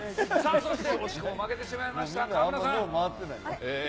そして、惜しくも負けてしまいました、河邑さん。